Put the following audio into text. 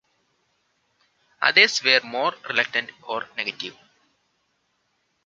Others were more reluctant or negative.